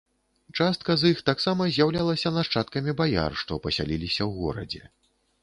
Частка з іх таксама з'яўлялася нашчадкамі баяр, што пасяліліся ў горадзе.